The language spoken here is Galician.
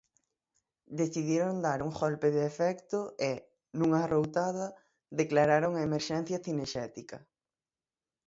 Decidiron dar un golpe de efecto e, nunha arroutada, declararon a emerxencia cinexética.